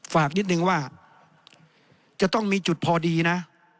ฝากนิดนึงว่าจะต้องมีจุดพอดีนะ